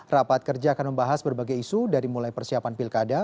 rapat kerja akan membahas berbagai isu dari mulai persiapan pilkada